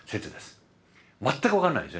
全く分からないでしょ